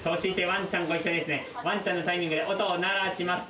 ワンちゃんのタイミングで音を鳴らします。